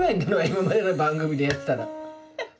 今までの番組で言ったら。